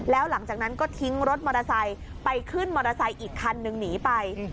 แล้วหลังจากนั้นก็ทิ้งรถมอเตอร์ไซค์ไปขึ้นมอเตอร์ไซค์อีกคันนึงหนีไป